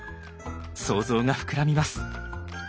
想像が膨らみます。